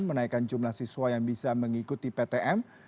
menaikkan jumlah siswa yang bisa mengikuti ptm